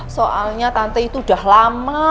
soalnya tante itu udah lama